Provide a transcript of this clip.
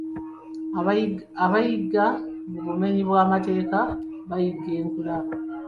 Abayigga mu bumenyi bw'amateeka baayigga enkula.